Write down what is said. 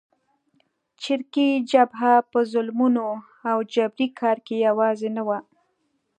چریکي جبهه په ظلمونو او جبري کار کې یوازې نه وه.